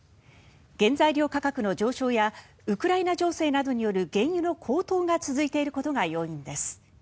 原材料価格の上昇やウクライナ情勢による原油の高騰などが続いていることが要因です。